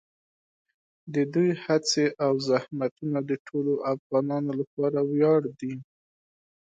د دوی هڅې او زحمتونه د ټولو افغانانو لپاره ویاړ دي.